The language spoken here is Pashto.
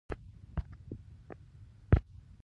دا په افریقا کې د اروپایي استعمار او پراختیا غوښتنې وو.